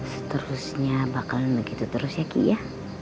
seterusnya bakal begitu terus ya ki ya